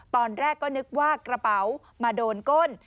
ตอนแรกก็นึกว่ากระเป๋ามาโดนก้น